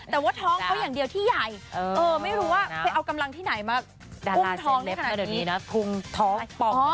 แต่ว่าท้องเขาอย่างเดียวที่ใหญ่ไม่รู้ว่าไปเอากำลังที่ไหนมาอุ้มท้องได้ขนาดนี้